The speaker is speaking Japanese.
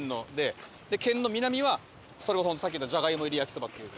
県の南はそれこそさっきのじゃがいも入り焼きそばっていう。